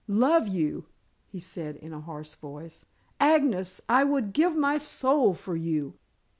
"Love you!" he said in a hoarse voice. "Agnes, I would give my soul for you."